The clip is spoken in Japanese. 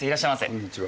こんにちは。